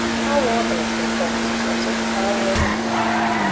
How on earth can foxes have such power over men?